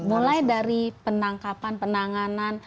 mulai dari penangkapan penanganan